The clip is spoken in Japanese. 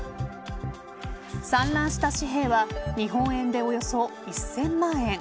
散乱した紙幣は日本円でおよそ１０００万円。